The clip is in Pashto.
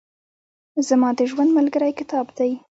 زما د ژوند ملګری کتاب دئ.